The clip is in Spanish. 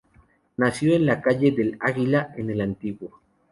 Nació en la calle del Águila, en El Antiguo.